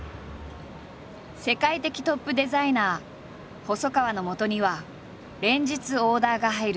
世界的トップデザイナー細川のもとには連日オーダーが入る。